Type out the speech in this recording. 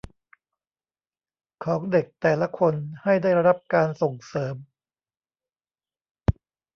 ของเด็กแต่ละคนให้ได้รับการส่งเสริม